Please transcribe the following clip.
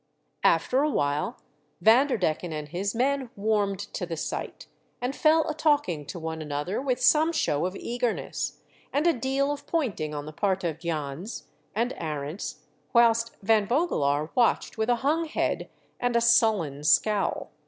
. After a while, Vanderdecken and his men warmed to the sight, and fell a talking to one another with some show of eagerness, and a deal of pointing on the part of Jans and Arents, whilst Van Vogelaar watched with a hung head and a sullen scowl.